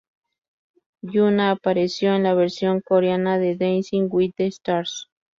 Hyuna apareció en la versión coreana de "Dancing with the Stars".